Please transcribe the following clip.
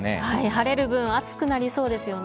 晴れる分、暑くなりそうですよね。